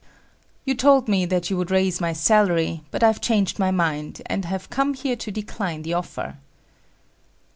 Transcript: "You told me that you would raise my salary, but I've changed my mind, and have come here to decline the offer."